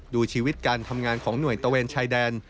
ดูชีวิตการทำงานของหน่วยตะเวนชายแดน